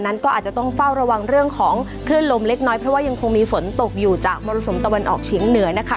นั้นก็อาจจะต้องเฝ้าระวังเรื่องของคลื่นลมเล็กน้อยเพราะว่ายังคงมีฝนตกอยู่จากมรสุมตะวันออกเฉียงเหนือนะคะ